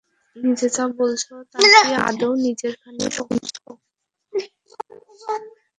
নিজে যা বলছ, তা কি আদৌ নিজের কানে শুনে দেখেছ?